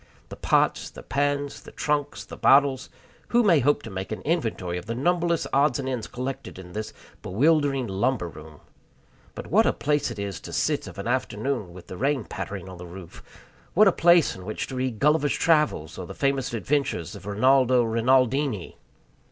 The pots, the pans, the trunks, the bottles who may hope to make an inventory of the numberless odds and ends collected in this bewildering lumber room? But what a place it is to sit of an afternoon with the rain pattering on the roof! What a place in which to read Gulliver's Travels, or the famous adventures of Rinaldo Rinaldini!